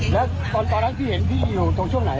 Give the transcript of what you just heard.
แล้วตอนตอนนั้นพี่เห็นพี่อยู่ตรงช่วงไหนอยู่ช่วงตรงนี้